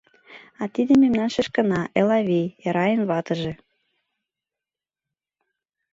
А тиде мемнан шешкына — Элавий — Эрайын ватыже.